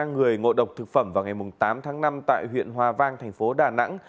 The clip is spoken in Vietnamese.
ba người ngộ độc thực phẩm vào ngày tám tháng năm tại huyện hòa vang thành phố đà nẵng